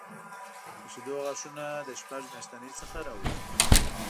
د شېدو غاښونه له شپږ میاشتنۍ څخه راوځي.